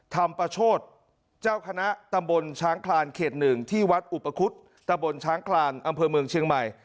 ธรรมประโชธเจ้าคณะตำบลช้างคลานเขต๑ที่วัดอุปคุฎตะบนช้างคลานอำเภอเมืองเชียงใหม่